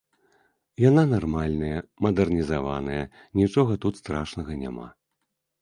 Яна нармальная, мадэрнізаваная, нічога тут страшнага няма.